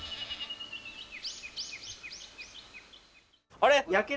あれ？